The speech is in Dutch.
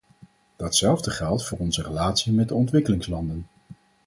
Datzelfde geldt voor onze relatie met de ontwikkelingslanden.